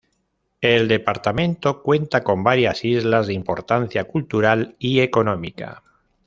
El departamento cuenta con varias islas de importancia cultural y económica.